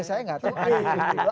ya saya enggak tahu